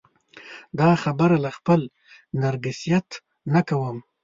دا خبره له خپل نرګسیت نه کوم.